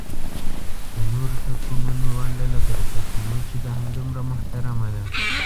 د نورو توکمونو ونډه لکه د پښتنو چې ده همدومره محترمه ده.